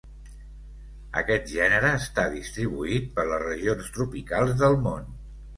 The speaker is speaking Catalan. Aquest gènere està distribuït per les regions tropicals del món.